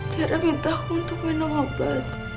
tiara minta aku untuk minum obat